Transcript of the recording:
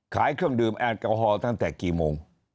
เครื่องดื่มแอลกอฮอลตั้งแต่กี่โมง